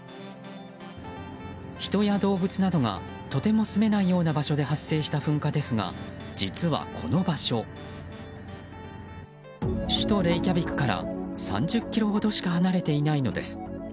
人や動物などがとても住めないような場所で発生した噴火ですが実は、この場所首都レイキャビクから３０ｋｍほどしか離れていないのです。